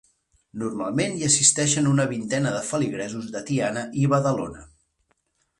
Normalment hi assisteixen una vintena de feligresos de Tiana i Badalona.